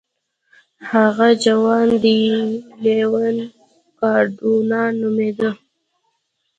هغه جوان ډي لیون کاردونا نومېده.